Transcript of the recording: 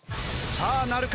さあなるか？